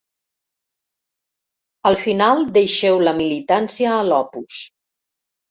Al final deixeu la militància a l'Opus.